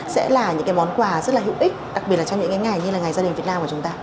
sẽ là những cái món quà rất là hữu ích đặc biệt là trong những ngày như là ngày gia đình việt nam của chúng ta